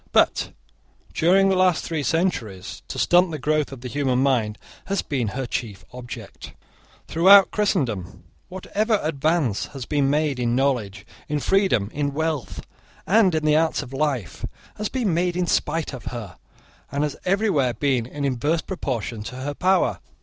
But, during the last three centuries, to stunt the growth of the human mind has been her chief object. Throughout Christendom, whatever advance has been made in knowledge, in freedom, in wealth, and in the arts of life, has been made in spite of her, and has everywhere been in inverse proportion to her power.